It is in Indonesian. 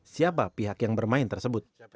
siapa pihak yang bermain tersebut